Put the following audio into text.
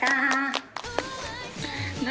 何？